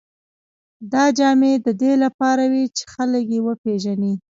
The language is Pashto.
دا جامې د دې لپاره وې چې خلک یې وپېژني.